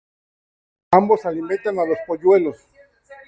Ambos alimentan a los polluelos.